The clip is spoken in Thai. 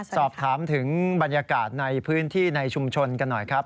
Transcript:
สอบถามถึงบรรยากาศในพื้นที่ในชุมชนกันหน่อยครับ